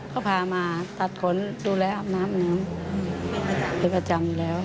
ก็พามาตัดขนดูแลอาบน้ำน้ำเป็นประจำอยู่แล้ว